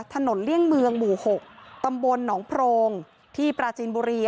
เลี่ยงเมืองหมู่๖ตำบลหนองโพรงที่ปราจีนบุรี